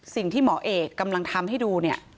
สิ่งที่หมอเอกกำลังทำให้ดูเนี่ย